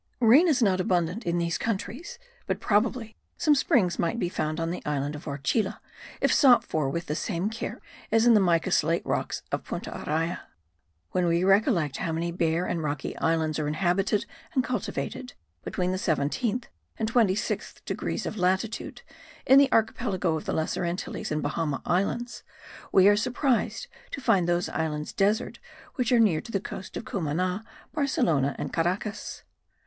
Rain is not abundant in these countries; but probably some springs might be found on the island of Orchila if sought for with the same care as in the mica slate rocks of Punta Araya. When we recollect how many bare and rocky islands are inhabited and cultivated between the 17th and 26th degrees of latitude in the archipelago of the Lesser Antilles and Bahama islands, we are surprised to find those islands desert which are near to the coast of Cumana, Barcelona and Caracas.